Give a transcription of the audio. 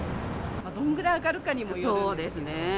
どんぐらい上がるかによるかそうですね。